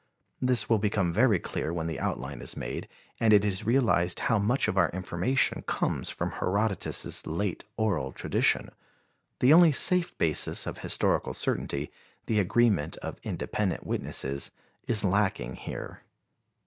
This will become very clear when the outline is made and it is realized how much of our information comes from Herodotus' late oral tradition. The only safe basis of historical certainty, the agreement of independent witnesses, is lacking here.